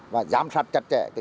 và giám sát chặt chẽ công tác